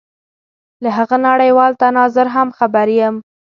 له هغه نړېوال تناظر هم خبر یم.